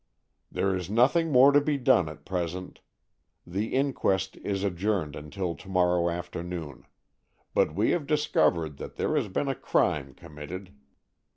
"There is nothing more to be done at present. The inquest is adjourned until to morrow afternoon. But we have discovered that there has been a crime committed.